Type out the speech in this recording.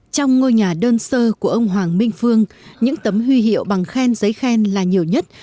trong ngôi nhà đơn sơ của ông hoàng minh phương những tấm huy hiệu bằng khen giấy khen là nhiều nhất